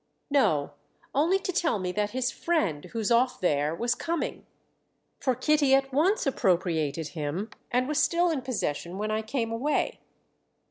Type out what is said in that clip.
"No, only to tell me that his friend—who's off there—was coming; for Kitty at once appropriated him and was still in possession when I came away."